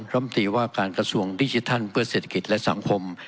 รัฐมนตรีว่าการกระทรวงดิจิทัลเพื่อเศรษฐกิจและสังคม